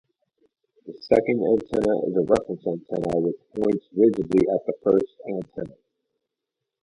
The second antenna is a reference antenna, which points rigidly at the first antenna.